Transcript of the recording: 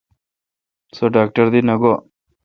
سو ڈاکٹر دی نہ گو° ۔